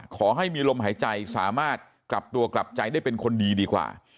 ขอให้มีลมหายใจสามารถกลับตัวกลับใจได้เป็นคนดีดีกว่า